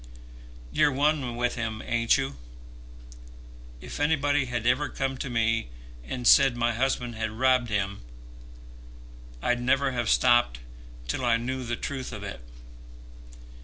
"You're one with him, ain't you? If anybody had ever come to me and said my husband had robbed him, I'd never have stopped till I knew the truth of it.